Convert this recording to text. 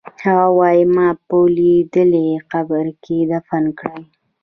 هغه وایی ما په لوېدلي قبر کې دفن کړئ